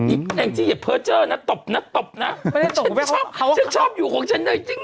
อีกแห่งที่อย่าเผลอเจ้อนะตบนะตบนะไม่ได้ตบเขาเขาชอบอยู่ของฉันเลยจริง